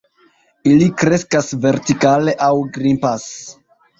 Ili kreskas vertikale aŭ grimpas.